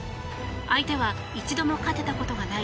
相手は一度も勝てたことがない